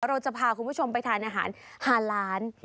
เราจะพาคุณผู้ชมไปทานอาหารฮาล้าน